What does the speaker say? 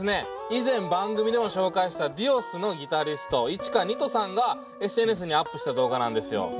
以前番組でも紹介したＤｉｏｓのギタリストＩｃｈｉｋａＮｉｔｏさんがＳＮＳにアップした動画なんですよ。